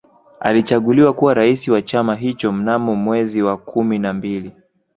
Alichaguliwa kuwa Rais wa chama hicho Mnamo mwezi wa kumi na mbili